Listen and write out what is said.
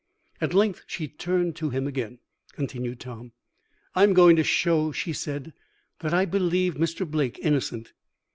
"At length she turned to him again," continued Tom. "'I am going to show,' she said, 'that I believe Mr. Blake innocent.